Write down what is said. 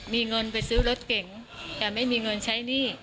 มีเงินไปซื้อรถเก๋งแต่ไม่มีเงินใช้หนี้